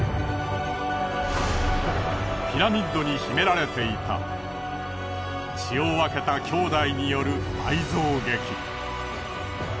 ピラミッドに秘められていた血を分けた兄弟による愛憎劇。